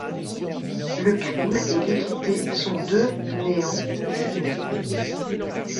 Le crime et l’équité sont deux néants jumeaux